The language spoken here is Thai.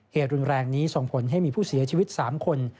เหตุรุนแรงนี้ส่งผลให้มีผู้เสียชีวิต๓คน